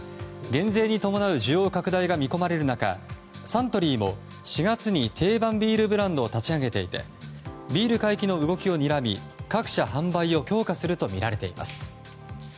減税に伴う需要拡大が見込まれる中サントリーも４月に定番ビールブランドを立ち上げていてビール回帰の動きをにらみ各社、販売を強化するとみられています。